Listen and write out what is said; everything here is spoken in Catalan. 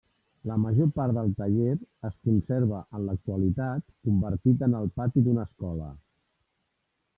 La major part del taller es conserva en l'actualitat, convertit en el pati d'una escola.